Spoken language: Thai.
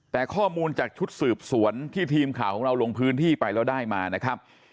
แต่ข้อมูลจากชุดสืบสวนที่ทีมข่าวของเราลงพื้นที่ไปแล้วได้มานะครับ